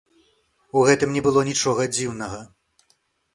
У гэтым не было нічога дзіўнага.